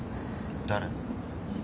誰？